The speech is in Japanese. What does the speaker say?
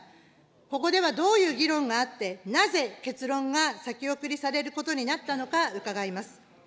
ここではどういう議論があって、なぜ結論が先送りされることになったのか伺います。